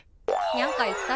にゃんか言った？